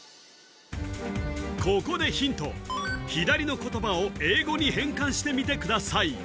ここでヒント左の言葉を英語に変換してみてください